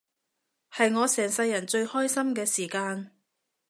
係我成世人最開心嘅時間